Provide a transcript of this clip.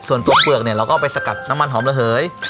ส่วนตัวเปลือกเนี่ยเราก็เอาไปสะกัดน้ำมันหอมระเฮย